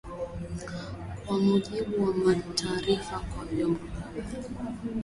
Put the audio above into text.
kwa mujibu wa taarifa kwa vyombo vya habari